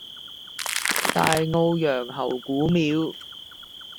大澳楊侯古廟